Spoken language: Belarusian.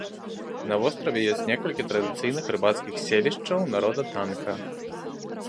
На востраве ёсць некалькі традыцыйных рыбацкіх селішчаў народа танка.